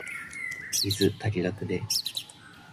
水、足りなくね？